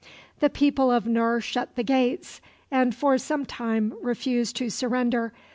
The people of Nur shut the gates and for some time refused to surrender.